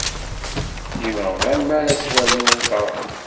Imeɣban mi ara t-walin ad ferḥen.